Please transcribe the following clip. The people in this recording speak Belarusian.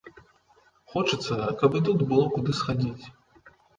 Хочацца, каб і тут было куды схадзіць.